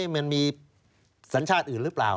มันมีสัญชาติอื่นหรือเปล่า